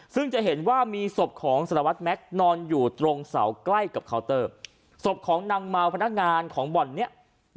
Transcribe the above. ซึ่งจะเห็นว่ามีศพของสารวัตรแม็กซ์นอนอยู่ตรงเสาใกล้กับเคาน์เตอร์ศพของนางเมาพนักงานของบ่อนเนี้ย